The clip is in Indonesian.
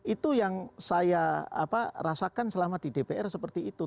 itu yang saya rasakan selama di dpr seperti itu